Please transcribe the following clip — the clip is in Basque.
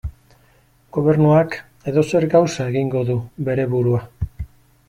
Gobernuak edozer gauza egingo du bere burua.